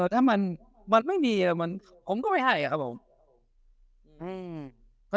ถ้ามันไม่มีผมก็ไม่ให้ครับผม